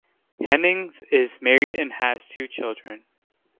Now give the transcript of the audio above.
Hennings is married and has two children.